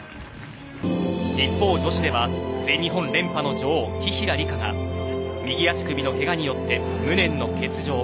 一方、女子では全日本連覇の女王紀平梨花が右足首のケガによって無念の欠場。